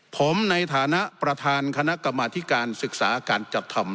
ผมในฐานะประธานคณะกรรมธิการศึกษาการจัดทำ